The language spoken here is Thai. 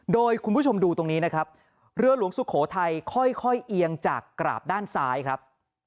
โดยคุณผู้ชมดูตรงนี้นะครับเรือหลวงสุโขทัยค่อยเอียงจากกราบด้านซ้ายครับ